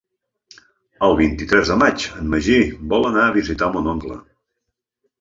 El vint-i-tres de maig en Magí vol anar a visitar mon oncle.